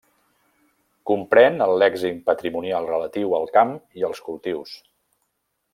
Comprèn el lèxic patrimonial relatiu al camp i als cultius.